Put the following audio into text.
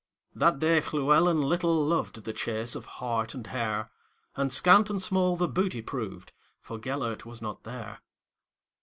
That day Llewelyn little lovedThe chase of hart and hare; And scant and small the booty proved, For Gêlert was not there.